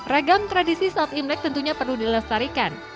ragam tradisi saat imlek tentunya perlu dilestarikan